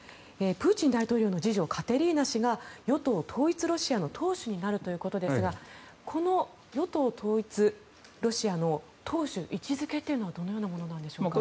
プーチン大統領の次女カテリーナ氏が与党・統一ロシアの党首になるということですがこの与党・統一ロシアの党首位置付けというのはどのようなものなんでしょうか。